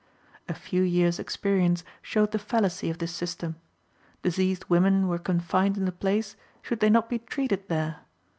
A few years' experience showed the fallacy of this system. Diseased women were confined in the place; should they not be treated there?